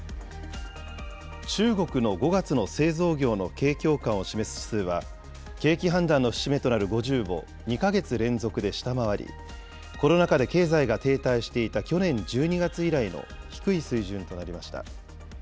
中国の５月の製造業の景況感を示す指数は、景気判断の節目となる５０を２か月連続で下回り、コロナ禍で経済が停滞していた去年１２月以来の低い水準となりました。